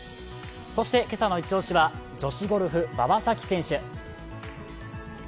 そして今朝のイチ押しは女子ゴルフ・馬場咲希選手。